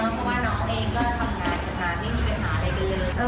เพราะว่าน้องเองก็ทำงานนะคะไม่มีปัญหาอะไรกันเลย